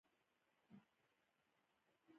چار مغز د افغانستان د هیوادوالو لپاره یو ویاړ دی.